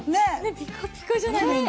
ピカピカじゃないですか。